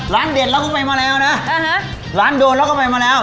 เด็ดเราก็ไปมาแล้วนะร้านโดนเราก็ไปมาแล้ว